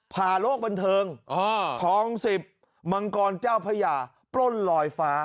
พาโลกบันเทิงทอง๑๐มังกรเจ้าพญาปล้นลอยฟ้า